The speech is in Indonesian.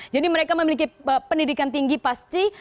jadi mereka memiliki pendidikan tinggi pasti